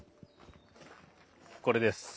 これです。